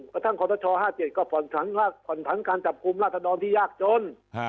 กระทั่งขอทช๕๗ก็ผ่อนผันการจับกลุ่มราษดรที่ยากจน